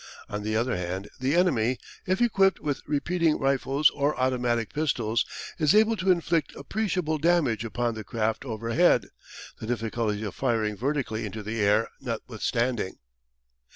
On the other hand the enemy, if equipped with repeating rifles or automatic pistols, is able to inflict appreciable damage upon the craft overhead, the difficulties of firing vertically into the air notwithstanding.